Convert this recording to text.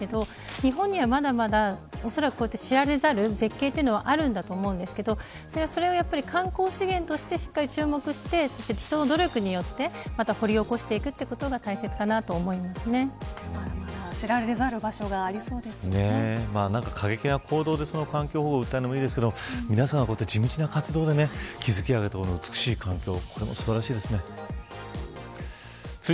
日本には、まだまだこういった知られざる絶景というのはあると思いますが観光資源として、しっかり注目して人の努力によってまた掘り起こしていくまだまだ知られざる場所が過激な行動で環境保護を訴えるのもいいですけどこういった地道な活動で築き上げた美しい環境これも素晴らしいですね。